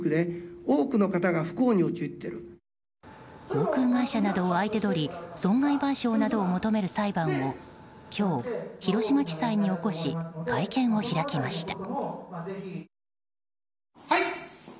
航空会社などを相手取り損害賠償などを求める裁判を今日、広島地裁に起こし会見を開きました。